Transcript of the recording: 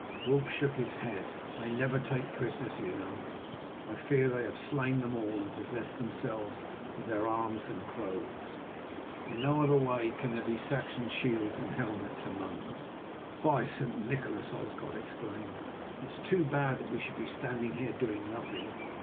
Wulf shook his head. "They never take prisoners, you know. I fear they have slain them all and possessed themselves of their arms and clothes. In no other way can there be Saxon shields and helmets among them." "By St. Nicholas!" Osgod exclaimed, "it is too bad that we should be standing here doing nothing.